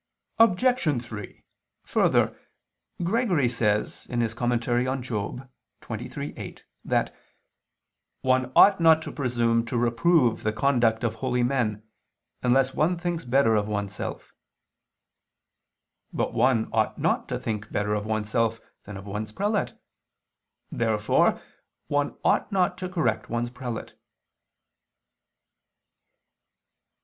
Obj. 3: Further, Gregory says (Moral. xxiii, 8) that "one ought not to presume to reprove the conduct of holy men, unless one thinks better of oneself." But one ought not to think better of oneself than of one's prelate. Therefore one ought not to correct one's prelate.